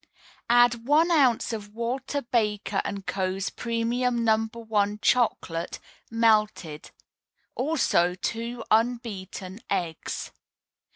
Add one ounce of Walter Baker & Co.'s Premium No. 1 Chocolate, melted; also two unbeaten eggs.